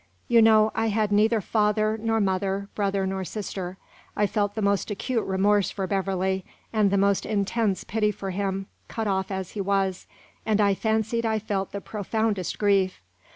You know, I had neither father nor mother, brother nor sister. I felt the most acute remorse for Beverley, and the most intense pity for him, cut off as he was, and I fancied I felt the profoundest grief.